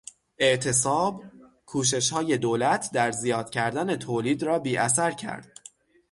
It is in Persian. اعتصاب، کوششهای دولت در زیاد کردن تولید را بی اثر کرد.